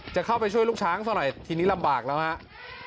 จะเค้าไปช่วยลูกช้างให้สาวหน่อยทีนี้ลำบากแล้วถ้ย